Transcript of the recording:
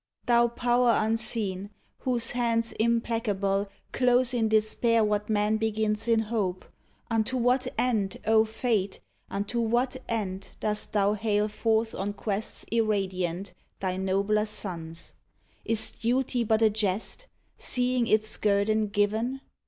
Thou Power unseen whose hands implacable Close in despair what man begins in hope, — Unto what end, O Fate! unto what end Dost thou hale forth on quests irradiant Thy nobler sons'? Is duty but a jest. Seeing its guerdon given?